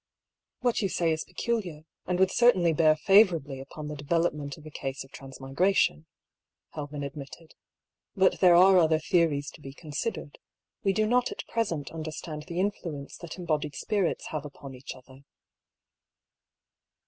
" What you say is peculiar, and would certainly bear favourably upon the development of a case of transmi gration," Helven admitted. " But there are other theo ries to be considered. We do not at present understand the influence that embodied spirits have upon each other."